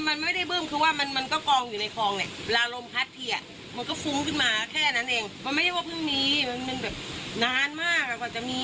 มันไม่ได้บึ้มคือว่ามันมันก็กองอยู่ในคลองเนี่ยเวลาลมพัดทีอ่ะมันก็ฟุ้งขึ้นมาแค่นั้นเองมันไม่ได้ว่าเพิ่งมีมันมันแบบนานมากอ่ะกว่าจะมี